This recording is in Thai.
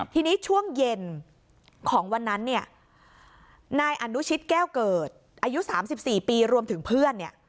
ทีนี้ช่วงเย็นของวันนั้นเนี่ยนายอนุชิตแก้วเกิดอายุ๓๔ปีรวมถึงเพื่อนเนี่ย